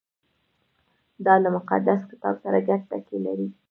• دا له مقدس کتاب سره ګډ ټکي لري.